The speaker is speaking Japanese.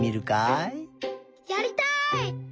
やりたい！